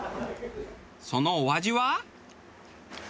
そのお味は？